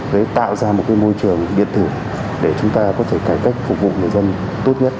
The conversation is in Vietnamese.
để tạo ra một cái môi trường điện tử để chúng ta có thể cải cách phục vụ người dân tốt nhất